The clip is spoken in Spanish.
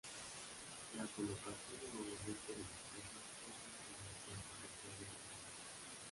La colocación y movimiento de las piezas es un reminiscente del juego del molino.